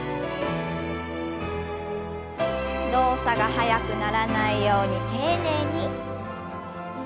動作が速くならないように丁寧に。